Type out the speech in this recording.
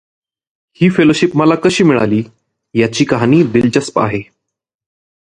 ही fellowship मला कशी मिळाली याची कहाणी दिलचस्प आहे.